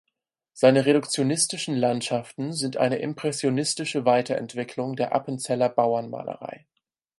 Seine reduktionistischen Landschaften sind eine impressionistische Weiterentwicklung der Appenzeller Bauernmalerei.